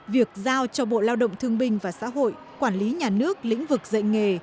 việc giao cho bộ lao động thương binh và xã hội quản lý nhà nước lĩnh vực dạy nghề